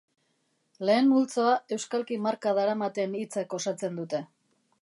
Lehen multzoa euskalki marka daramaten hitzek osatzen dute.